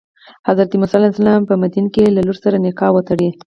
حضرت موسی علیه السلام په مدین کې له لور سره نکاح وتړي.